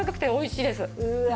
うわ！